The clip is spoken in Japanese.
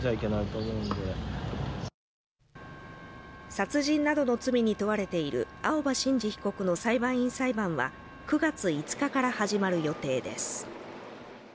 殺人などの罪に問われている青葉真司被告の裁判員裁判は９月５日から始まる予定です。